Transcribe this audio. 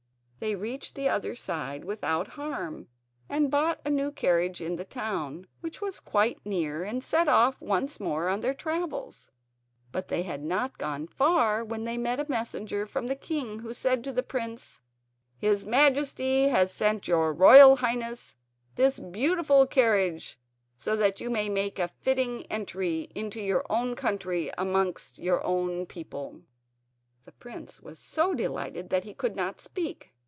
They reached the other side without harm, and bought a new carriage in the town, which was quite near, and set off once more on their travels; but they had not gone far when they met a messenger from the king who said to the prince: "His Majesty has sent your Royal Highness this beautiful carriage so that you may make a fitting entry into your own country and amongst your own people." The prince was so delighted that he could not speak.